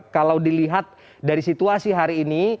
kalau dilihat dari situasi hari ini